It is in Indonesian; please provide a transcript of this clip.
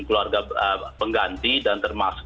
keluarga pengganti dan termasuk